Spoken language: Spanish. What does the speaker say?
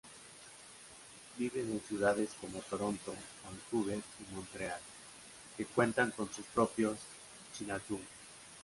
Viven en ciudades como Toronto, Vancouver y Montreal, que cuentan con sus propios "Chinatown".